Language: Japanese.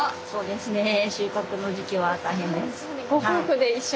そうですね。